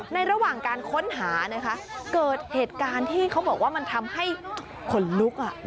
ระหว่างการค้นหานะคะเกิดเหตุการณ์ที่เขาบอกว่ามันทำให้ขนลุก